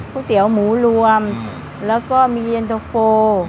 เตี๋ยวหมูรวมแล้วก็มีเย็นตะโฟ